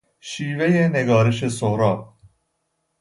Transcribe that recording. شیوهی نگارش سهراب